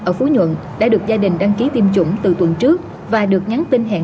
ở phú nhuận đã được gia đình đăng ký tiêm chủng từ tuần trước và được nhắn tin hẹn